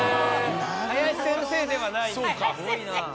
林先生ではない。